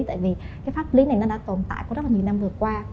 tại vì pháp lý này đã tồn tại có rất nhiều năm vừa qua